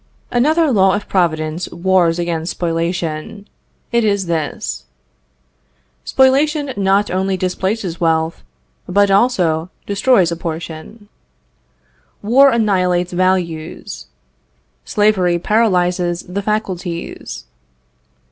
Another law of Providence wars against spoliation. It is this: Spoliation not only displaces wealth, but always destroys a portion. War annihilates values. Slavery paralyzes the faculties.